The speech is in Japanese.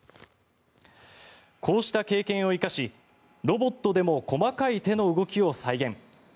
こうした経験を生かしロボットでも細かい手の動きを再現。